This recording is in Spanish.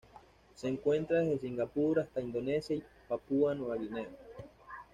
Se encuentran desde Singapur hasta Indonesia y Papúa Nueva Guinea.